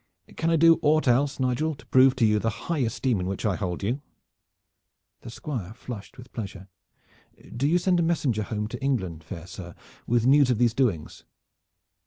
Can I do aught else, Nigel, to prove to you the high esteem in which I hold you?" The Squire flushed with pleasure. "Do you send a messenger home to England, fair sir, with news of these doings?"